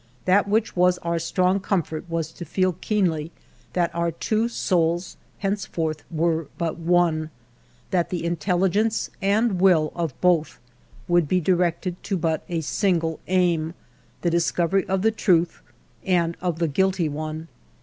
That which was our strong comfort was to feel keenly that our two souls henceforth were but one, that the intelli gence and will of both would be directed to but a single aim, the discovery of the truth and of the guilty one.